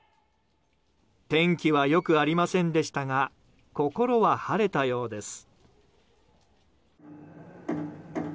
天気は良くありませんでしたが心は晴れたようです。